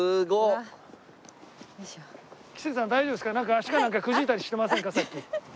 足かなんかくじいたりしてませんかさっき。